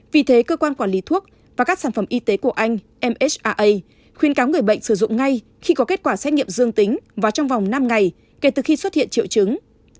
vì thế cơ quan quản lý thuốc và các sản phẩm y tế của anh msaa khuyên cáo người bệnh sử dụng ngay khi có kết quả xét nghiệm dương tính và trong vòng năm ngày kể từ khi xuất hiện triệu chứng